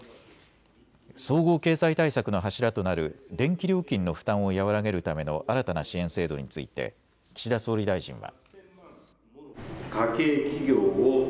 総合経済対策の柱となる電気料金の負担を和らげるための新たな支援制度について岸田総理大臣は。